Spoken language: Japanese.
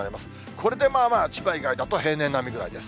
これでまあまあ、千葉以外だと平年並みぐらいです。